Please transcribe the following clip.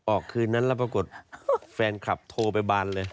คืนนั้นแล้วปรากฏแฟนคลับโทรไปบานเลย